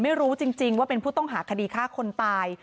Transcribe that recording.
ไม่รู้จริงว่าเป็นผู้ต้องหาคดีฆ่าคนตาย